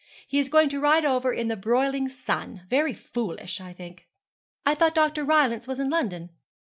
He is going to ride over in the broiling sun. Very foolish, I think.' 'I thought Dr. Rylance was in London?'